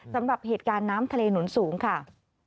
สำหรับเหตุการณ์น้ำทะเลหนุนสูงค่ะ